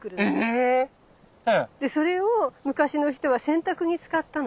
え⁉それを昔の人は洗濯に使ったの。